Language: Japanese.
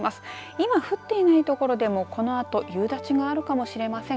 今降っていないところでもこのあと夕立があるかもしれません。